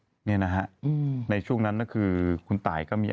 โอนี้นะฮะในช่วงนั้นก็คือนายก็มี